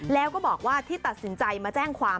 แล้วก็บอกว่าที่ตัดสินใจมาแจ้งความ